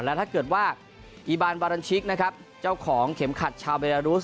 และถ้าเกิดว่าอีบานบารันชิกนะครับเจ้าของเข็มขัดชาวเบดารุส